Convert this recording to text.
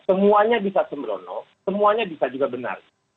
semuanya bisa sembrono semuanya bisa juga benar